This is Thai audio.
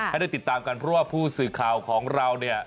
ให้ได้ติดตามกันเพราะว่าผู้สื่อข่าวของเราเนี่ย